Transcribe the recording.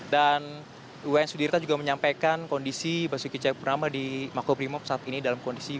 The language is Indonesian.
dan iwaya sudirta juga menyampaikan kondisi basuki ceyapurnama di maklubrimo saat ini dalam kondisi